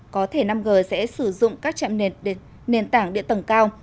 có thể năm g sẽ sử dụng các trạm nền tảng địa tầng cao